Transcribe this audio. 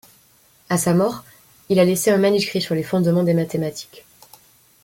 À sa mort, il a laissé un manuscrit sur les fondements des mathématiques.